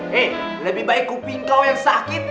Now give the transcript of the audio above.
hei lebih baik kuping kau yang sakit